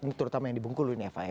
ini terutama yang dibungkul ini eva